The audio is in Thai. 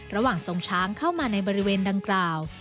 ระหว่างทรงช้างเข้ามาในบริเวณดังกล่าว